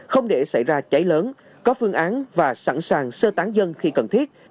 không để xảy ra cháy lớn có phương án và sẵn sàng sơ tán dân khi cần thiết